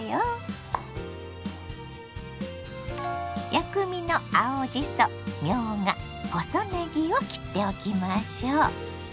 薬味の青じそみょうが細ねぎを切っておきましょ。